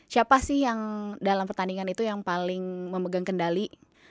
siapa sih yang dalam pertandingan itu yang paling memegang kendali